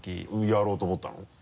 やろうと思ったの？